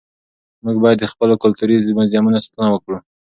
موږ باید د خپلو کلتوري موزیمونو ساتنه وکړو.